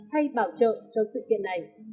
hay bảo trợ cho sự kiện này